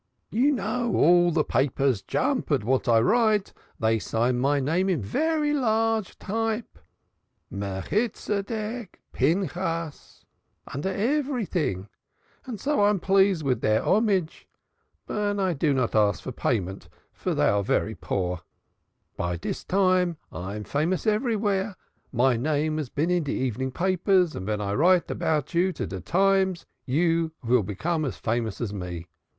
You know all de jargon papers jump at vat I write, dey sign my name in vair large type Melchitsedek Pinchas under every ting, and I am so pleased with deir homage, I do not ask for payment, for dey are vair poor. By dis time I am famous everywhere, my name has been in de evening papers, and ven I write about you to de Times, you vill become as famous as me.